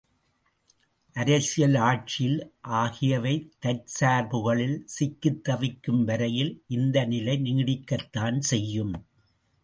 அரசியல், ஆட்சியியல் ஆகியவை தற்சார்புகளில் சிக்கித்தவிக்கும் வரையில் இந்தநிலை நீடிக்கத் தான் செய்யும்.